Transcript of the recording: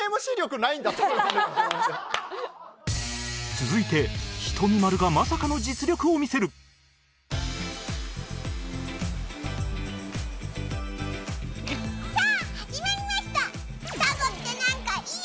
続いてひとみ○がまさかの実力を見せるさあ始まりました！